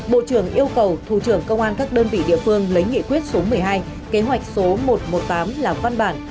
bộ trưởng yêu cầu thủ trưởng công an các đơn vị địa phương lấy nghị quyết số một mươi hai kế hoạch số một trăm một mươi tám là văn bản